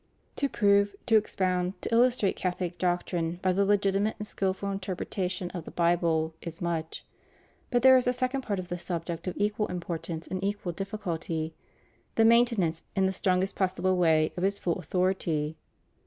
To prove, to expound, to illustrate Catholic doctrine by the legitimate and skilful interpretation of the Bible is much; but there is a second part of the subject of equal importance and equal difficulty — the maintenance in the strongest possible way of its full authority.